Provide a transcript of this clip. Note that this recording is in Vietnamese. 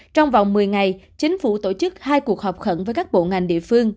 trong vòng một mươi ngày chính phủ tổ chức hai cuộc họp khẩn với các bộ ngành địa phương